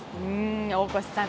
大越さん